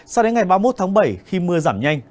sao đến ngày ba mươi một tháng bảy khi mưa giảm nhanh